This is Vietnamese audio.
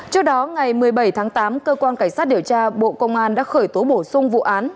trước đó ngày một mươi bảy tháng tám cơ quan cảnh sát điều tra bộ công an đã khởi tố bổ sung vụ án